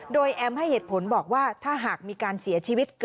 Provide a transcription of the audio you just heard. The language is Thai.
โดยแอมให้เหตุผลบอกว่าถ้าหากมีการเสียชีวิต